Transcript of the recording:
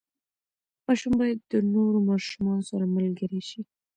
ماشوم باید د نورو ماشومانو سره ملګری شي.